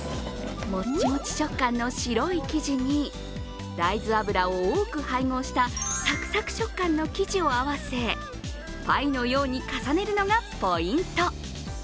もちもち食感の白い生地に大豆油を多く配合したサクサク食感の生地を合わせパイのように重ねるのがポイント。